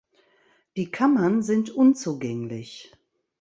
Die Kammern sind unzugänglich.